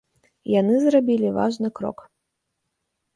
Яны зрабілі важны крок.